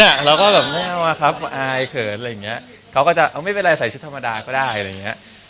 อะไรแบบไม่เป็นไรไปใส่ชุดธรรมดาก็ได้